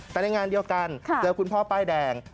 แต่ในงานเดียวกันเจอคุณพ่อป้ายแดง